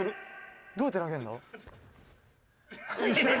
どうやって投げるんだ？